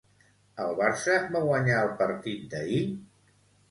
El Barça va guanyar el partit d'ahir?